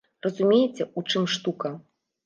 Разумееце, у чым штука?